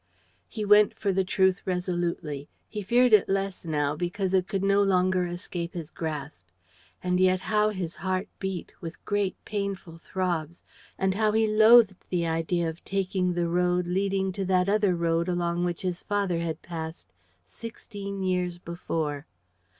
He went for the truth resolutely. He feared it less now, because it could no longer escape his grasp. And yet how his heart beat, with great, painful throbs, and how he loathed the idea of taking the road leading to that other road along which his father had passed sixteen years before!